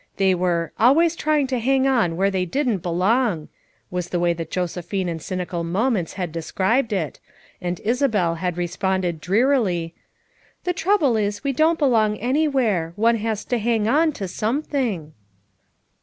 They were " always trying to hang on where they didn't belong/ 1 was the way that Josephine in cynical moments had described it, and Isabel had responded drearily : "The trouble is we don't belong anywhere; one has to hang on to something."